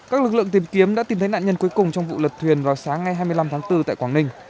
các lực lượng tìm kiếm đã tìm thấy nạn nhân cuối cùng trong vụ lật thuyền vào sáng ngày hai mươi năm tháng bốn tại quảng ninh